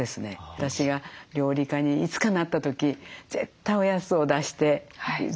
私が料理家にいつかなった時絶対おやつを出してずっと決めてましたね。